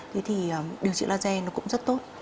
thế thì điều trị laser nó cũng rất tốt